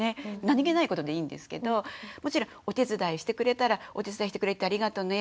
何気ないことでいいんですけどもちろんお手伝いしてくれたらお手伝いしてくれてありがとね